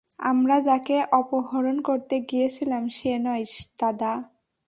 আমরা যাকে অপহরণ করতে গিয়েছিলাম সে নয়, দাদা।